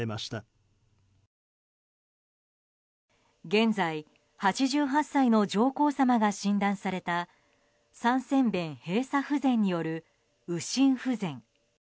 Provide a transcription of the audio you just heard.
現在、８８歳の上皇さまが診断された三尖弁閉鎖不全による右心不全。